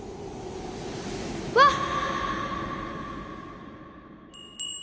わっ！